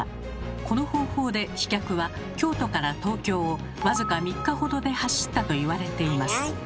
この方法で飛脚は京都から東京を僅か３日ほどで走ったといわれています。